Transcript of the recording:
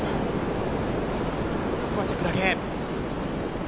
ここはチェックだけ。